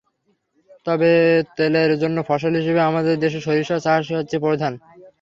তবে তেলের জন্য ফসল হিসেবে আমাদের দেশে সরিষার চাষই হচ্ছে প্রধান।